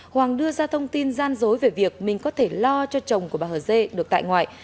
hoàng đưa ra thông tin gian dối về việc mình có thể lo cho chồng của bà hờ dê được tại ngoại